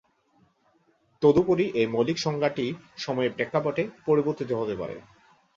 তদুপরি এ মৌলিক সংজ্ঞাটি সময়ের প্রেক্ষাপটে পরিবর্তিত হতে পারে।